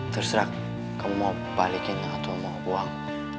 terserah kamu mau balikin atau mau buang